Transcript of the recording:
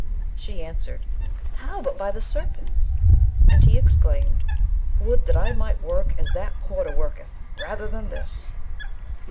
She answered, 'How, but by the Serpents!' And he exclaimed, 'Would that I might work as that porter worketh, rather than this!'